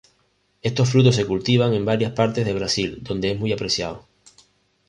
Estos frutos se cultivan en varias partes de Brasil donde es muy apreciado.